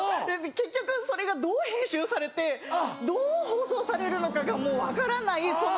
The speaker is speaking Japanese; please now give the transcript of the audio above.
結局それがどう編集されてどう放送されるのかがもう分からないその。